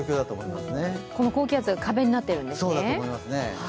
この高気圧が壁になってるんですね。